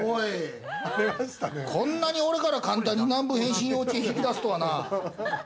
こんなに俺から簡単に南部変身幼稚園、引き出すとはな！